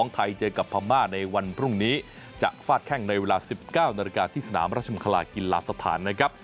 ไทยเจอกับพม่าในวันพรุ่งนี้จะฟาดแข้งในเวลา๑๙นาฬิกาที่สนามราชมังคลากีฬาสถานนะครับ